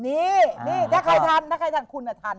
นี่นี่ถ้าใครทันคุณอะทัน